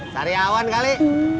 sari awan kali